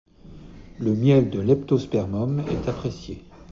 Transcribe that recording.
Le miel de Leptospermum est apprécié.